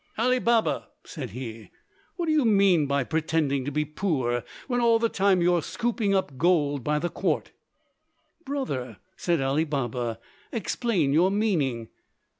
"Ali Baba," said he, "what do you mean by pretending to be poor when all the time you are scooping up gold by the quart?" "Brother," said Ali Baba, "explain your meaning."